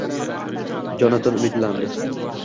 Jonatan umidlandi